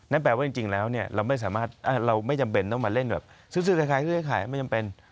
นั่นแปลว่าจริงแล้วเราไม่จำเป็นต้องมาเล่นแบบซื้อซื้อขายไม่จำเป็น